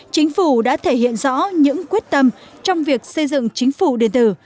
chính phủ đã thể hiện rõ những quyết tâm trong việc xây dựng chính phủ điện tử